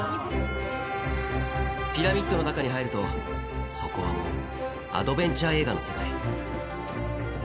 ピラミッドの中に入るとそこはもうアドベンチャー映画の世界。